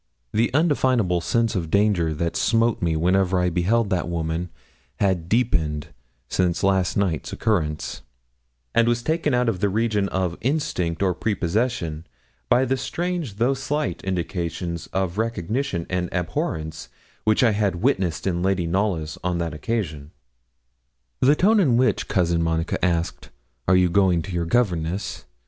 The undefinable sense of danger that smote me whenever I beheld that woman had deepened since last night's occurrence, and was taken out of the region of instinct or prepossession by the strange though slight indications of recognition and abhorrence which I had witnessed in Lady Knollys on that occasion. The tone in which Cousin Monica had asked, 'are you going to your governess?'